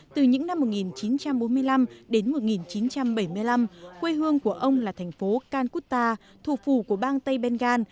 từ những năm một nghìn chín trăm bốn mươi năm đến một nghìn chín trăm bảy mươi năm quê hương của ông là thành phố kanuta thủ phủ của bang tây bengal